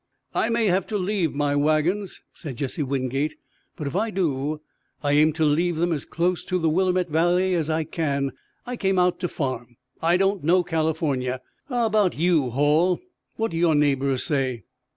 "I may have to leave my wagons," said Jesse Wingate, "but if I do I aim to leave them as close to the Willamette Valley as I can. I came out to farm. I don't know California. How about you, Hall? What do your neighbors say?"